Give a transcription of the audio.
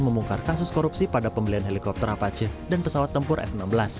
membongkar kasus korupsi pada pembelian helikopter apache dan pesawat tempur f enam belas